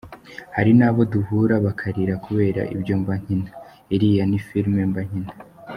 Hari n’abo duhura bakarira kubera ibyo mba nkina! Iriya ni filime mba nkina.